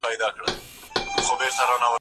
په خوشحال به هر زلمی وو